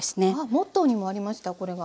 モットーにもありましたこれが。